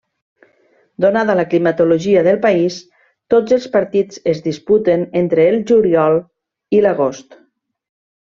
Donada la climatologia del país, tots els partits es disputen entre el juliol i l'agost.